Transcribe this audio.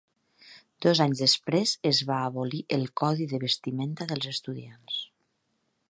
Dos anys després, es va abolir el codi de vestimenta dels estudiants.